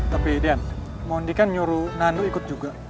tapi dan mondi kan nyuruh nanu ikut juga